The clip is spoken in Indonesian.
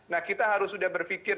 nah kita harus sudah berpikir